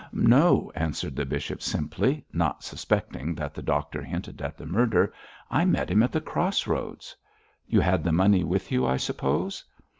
'No,' answered the bishop, simply, not suspecting that the doctor hinted at the murder; 'I met him at the Cross Roads.' 'You had the money with you, I suppose?'